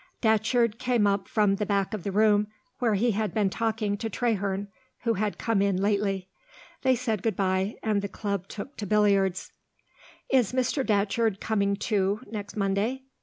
Datcherd came up from the back of the room where he had been talking to Traherne, who had come in lately. They said goodbye, and the club took to billiards. "Is Mr. Datcherd coming, too, next Monday?"